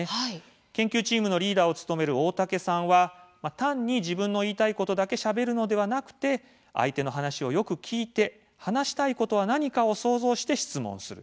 研究チームのリーダーを務める大武さんは単に自分の言いたいことだけしゃべるのではなくて相手の話をよく聞いて話したいことは何かを想像して質問する。